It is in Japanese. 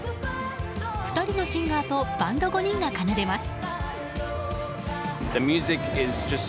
２人のシンガーとバンド５人が奏でます。